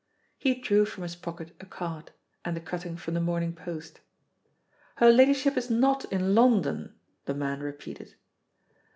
He drew from his pocket a card, and the cutting from the Morning Post. "Her ladyship is not in London," the man repeated.